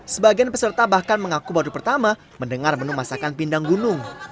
sebagian peserta bahkan mengaku baru pertama mendengar menu masakan pindang gunung